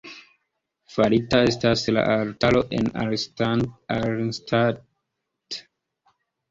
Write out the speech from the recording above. Farita estas la altaro en Arnstadt.